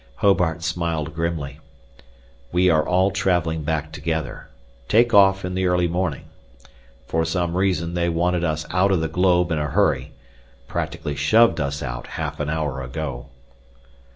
Hobart smiled grimly. "We are all traveling back together. Take off in the early morning. For some reason they wanted us out of the globe in a hurry practically shoved us out half an hour ago."